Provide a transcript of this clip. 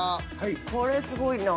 これすごいな。